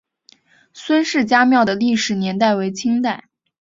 孙氏家庙的历史年代为清代。